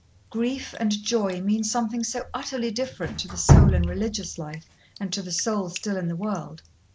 'Grief' and 'Joy' mean something so utterly different to the soul in religious life, and to the soul still in the world.